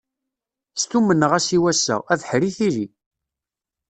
Stummneɣ-as i wass-a, abeḥri tili.